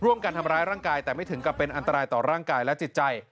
การทำร้ายร่างกายแต่ไม่ถึงกับเป็นอันตรายต่อร่างกายและจิตใจ